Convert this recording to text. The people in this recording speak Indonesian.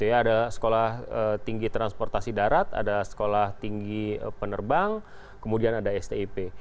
ada sekolah tinggi transportasi darat ada sekolah tinggi penerbang kemudian ada stip